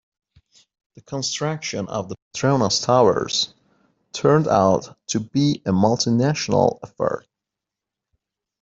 The construction of the Petronas Towers turned out to be a multinational effort.